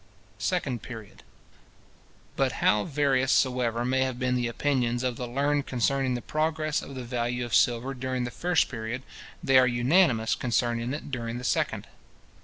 Second Period.—But how various soever may have been the opinions of the learned concerning the progress of the value of silver during the first period, they are unanimous concerning it during the second.